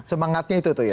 semangatnya itu tuh ya